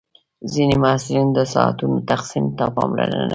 ځینې محصلین د ساعتونو تقسیم ته پاملرنه کوي.